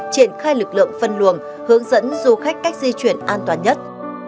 triển khai lực lượng phân luồng hướng dẫn du khách cách di chuyển an toàn nhất